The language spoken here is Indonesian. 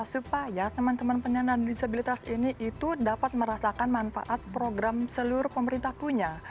supaya teman teman penyandang disabilitas ini itu dapat merasakan manfaat program seluruh pemerintah punya